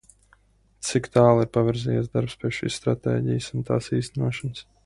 Cik tālu ir pavirzījies darbs pie šīs stratēģijas un tās īstenošanas?